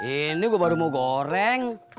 ini gue baru mau goreng